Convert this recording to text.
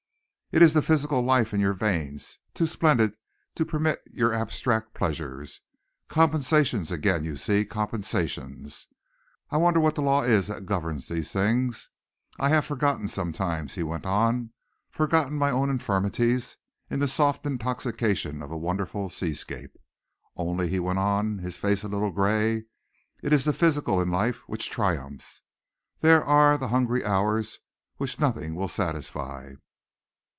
"It is the physical life in your veins too splendid to permit you abstract pleasures. Compensations again, you see compensations. I wonder what the law is that governs these things. I have forgotten sometimes," he went on, "forgotten my own infirmities in the soft intoxication of a wonderful seascape. Only," he went on, his face a little grey, "it is the physical in life which triumphs. There are the hungry hours which nothing will satisfy."